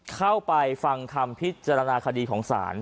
เข้าไปฟังคำพิจารณาคดีของศาล